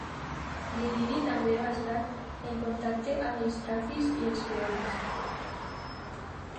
L'il·liri també va estar en contacte amb els tracis i els peonis.